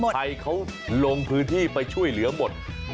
ใครเขาลงพื้นที่ไปช่วยเหลือหมด